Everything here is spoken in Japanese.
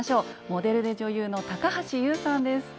モデルで女優の高橋ユウさんです。